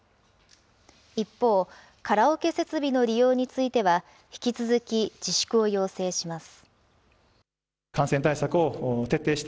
一方、カラオケ設備の利用については、引き続き自粛を要請します。